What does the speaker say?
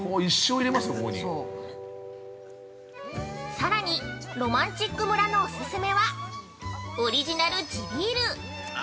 ◆さらに、ろまんちっく村のお勧めはオリジナル地ビール。